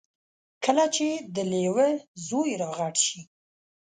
کله چې د لیوه زوی را غټ شي.